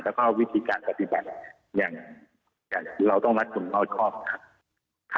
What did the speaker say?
แล้วก็วิธีการปฏิบัติอย่างเราต้องรัดกลุ่มเขาชอบครับ